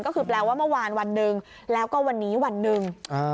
ก็คือแปลว่าเมื่อวาน๑นึงแล้วก็วันนี้๑นึง